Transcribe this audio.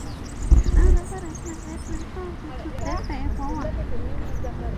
No reference has yet been found to death by a boar.